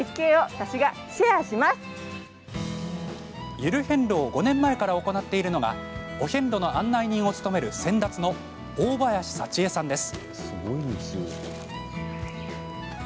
ゆる遍路を５年前から行っているのがお遍路の案内人を務める先達の大林幸絵さんです。